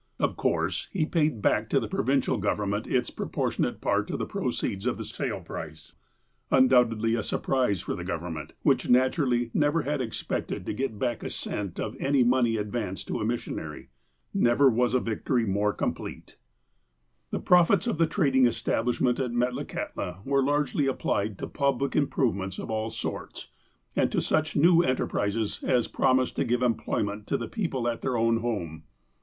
Of course, he paid back to the provincial government its proportionate part of the proceeds of the sale price, undoubtedly a surprise for the government, which nat urally never had expected to get back a cent of any money advanced to a missionary. Never was victory more complete. TEMPORAL ADVANCEMENT 181 The profits of the trading establishment at Metlakahtla were largely applied to public improvements of all sorts, and to such new enterj)rises as promised to give employ ment to the people at their own home.